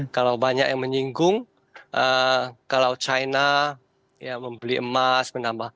kalau banyak yang menyinggung kalau china membeli emas